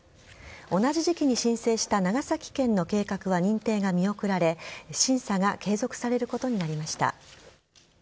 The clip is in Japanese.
同じ時期に申請した長崎県の計画は認定が見送られ審査が継続されることになりました。